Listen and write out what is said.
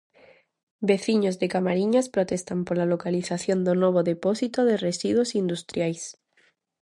Veciños de Camariñas protestan pola localización do novo depósito de residuos industriais.